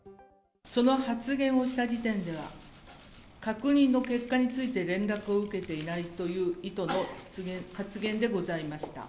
その発言をした時点では、確認の結果について連絡を受けていないという意図の発言でございました。